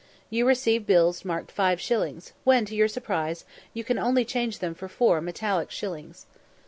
You receive bills marked five shillings, when, to your surprise, you can only change them for four metallic shillings.